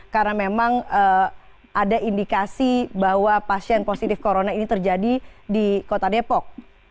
karena memang ada indikasi bahwa pasien positif corona ini terjadi di kota depok